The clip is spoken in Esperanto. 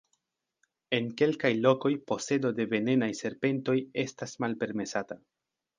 En kelkaj lokoj posedo de venenaj serpentoj estas malpermesata.